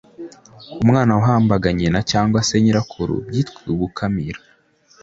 Umwana wahambaga nyina cyangwa se nyirakuru byitwaga gukamira